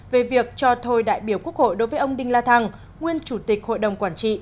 về việc cho thôi đại biểu quốc hội đối với ông đinh la thăng nguyên chủ tịch hội đồng quản trị